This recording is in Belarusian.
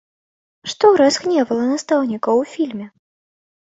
Што разгневала настаўнікаў у фільме?